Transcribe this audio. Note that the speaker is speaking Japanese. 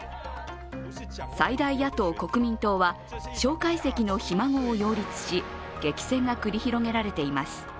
最大野党・国民党は蒋介石のひ孫を擁立し激戦が繰り広げられています。